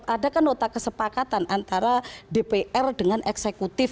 ada kan nota kesepakatan antara dpr dengan eksekutif